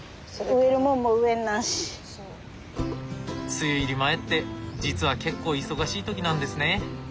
梅雨入り前って実は結構忙しい時なんですね。